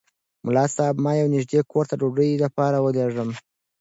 ملا صاحب ما یو نږدې کور ته د ډوډۍ لپاره ولېږلم.